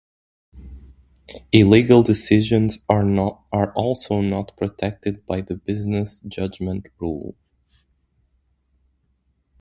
Illegal decisions are also not protected by the business judgment rule.